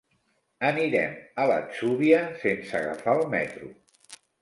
Anirem a l'Atzúbia sense agafar el metro.